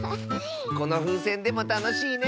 このふうせんでもたのしいね！